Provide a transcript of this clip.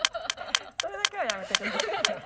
それだけはやめて下さい。